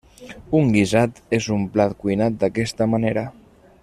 Un guisat és un plat cuinat d'aquesta manera.